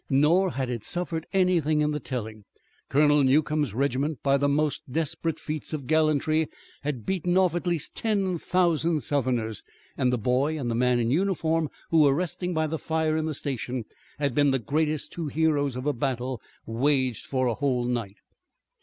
Nor had it suffered anything in the telling. Colonel Newcomb's regiment, by the most desperate feats of gallantry, had beaten off at least ten thousand Southerners, and the boy and the man in uniform, who were resting by the fire in the station, had been the greatest two heroes of a battle waged for a whole night.